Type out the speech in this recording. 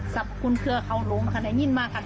สรรคุณเครือเขาหลงคำหน้างีมากครับ